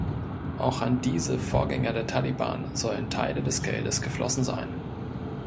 Auch an diese Vorgänger der Taliban sollen Teile des Geldes geflossen sein.